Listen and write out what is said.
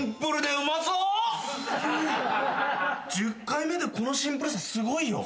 １０回目でこのシンプルさすごいよ。